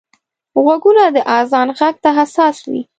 غوږونه د اذان غږ ته حساس وي